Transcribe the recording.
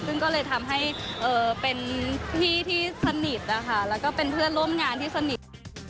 ซึ่งก็เลยทำให้เป็นพี่ที่สนิทนะคะแล้วก็เป็นเพื่อนร่วมงานที่สนิท